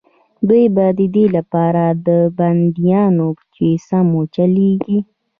دوی به د دې لپاره بندیانول چې سم وچلېږي.